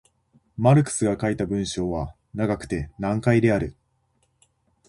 マルクスが書いた文章は長くて難解である。